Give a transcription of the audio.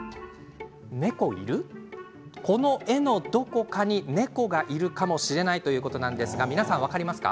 この絵のどこかに猫がいるかもしれないということなんですが皆さん分かりますか。